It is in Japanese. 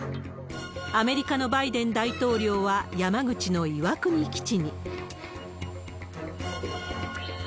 アメリカのバイデン大統領は、山口の岩国基地に。